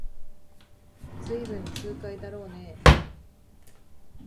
ずいぶん痛快だろうねえ